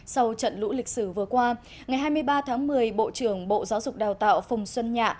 sau trận lũ lịch sử vừa qua ngày hai mươi ba tháng một mươi bộ trưởng bộ giáo dục đào tạo phùng xuân nhạ